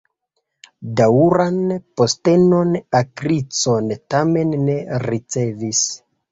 Daŭran postenon Agricola tamen ne ricevis.